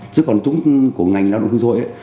chứ còn chúng của ngành lao động phương xôi